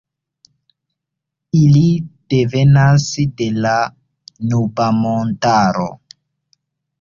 Ili devenas de la Nuba-montaro.